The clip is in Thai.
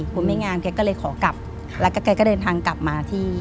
พอไม่งานแกก็เลยขอกลับแล้วก็แกก็เดินทางกลับมาที่